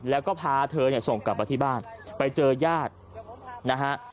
แล้วก็พาเธอเนี่ยส่งกลับมาที่บ้านไปเจอญาตินะฮะ